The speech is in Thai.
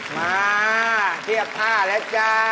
มาเทียบท่าแล้วจ้า